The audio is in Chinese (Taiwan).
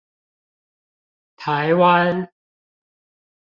台灣